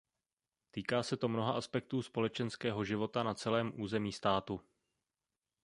Týká se to mnoha aspektů společenského života na celém území státu.